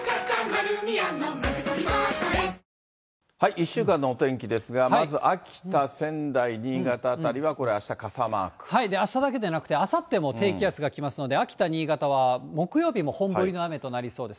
１週間のお天気ですが、まず秋田、仙台、新潟辺りはあした、あしただけでなく、あさっても低気圧が来ますので、秋田、新潟は木曜日も本降りの雨となりそうです。